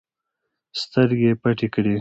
سترګې يې پټې کړې.